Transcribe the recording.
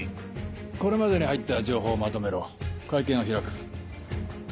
これまでに入った情報をまとめろ会見を開く。